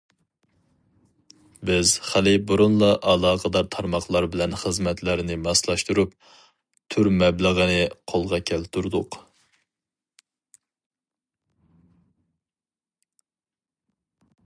بىز خېلى بۇرۇنلا ئالاقىدار تارماقلار بىلەن خىزمەتلەرنى ماسلاشتۇرۇپ، تۈر مەبلىغىنى قولغا كەلتۈردۇق.